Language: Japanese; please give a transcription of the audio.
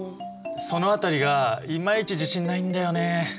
その辺りがいまいち自信ないんだよねえ。